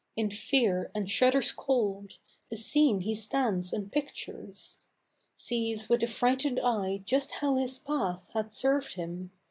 In fear and shudders cold, the scene he stands and pictures; Sees with a frightened eye just how his path has served him.